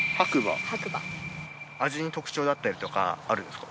味に特徴だったりとかあるんですか？